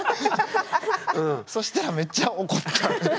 そしたらめっちゃ怒ったんで。